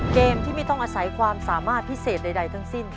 เกมที่ไม่ต้องอาศัยความสามารถพิเศษใดทั้งสิ้น